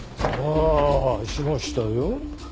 ああしましたよ。